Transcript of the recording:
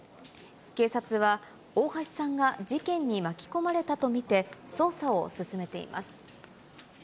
警察は大橋さんが事件に巻き込まれたと見て、捜査を進めています。